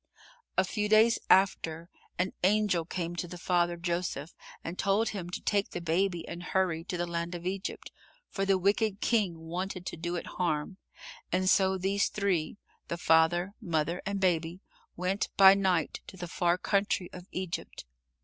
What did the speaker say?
A few days after, an angel came to the father, Joseph, and told him to take the Baby and hurry to the land of Egypt, for the wicked King wanted to do it harm, and so these three the father, mother and Baby went by night to the far country of Egypt.